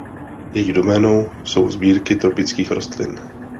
Její doménou jsou sbírky tropických rostlin.